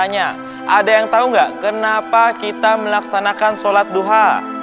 mau tanya ada yang tahu enggak kenapa kita melaksanakan sholat duha